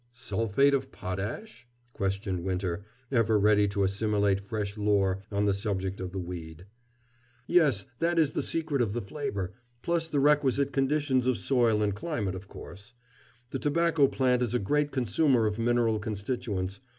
"Sulphate of potash?" questioned Winter, ever ready to assimilate fresh lore on the subject of the weed. "Yes, that is the secret of the flavor, plus the requisite conditions of soil and climate, of course. The tobacco plant is a great consumer of mineral constituents.